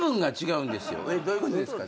どういうことですか？